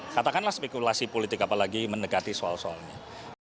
katakanlah spekulasi politik apalagi mendekati soal soalnya